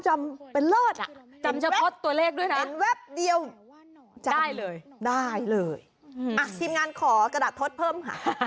ใช่เลยอ่ะทีมงานขอกระดับทดเพิ่มค่ะ